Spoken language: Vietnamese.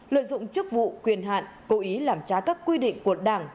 lợi dụng chức vụ quyền hạn cố ý làm trá các quy định của đảng